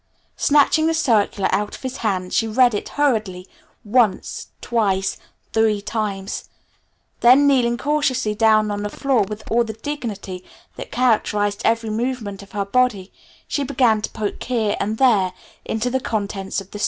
Snatching the circular out of his hand she read it hurriedly, once, twice, three times. Then kneeling cautiously down on the floor with all the dignity that characterized every movement of her body, she began to poke here and there into the contents of the suitcase.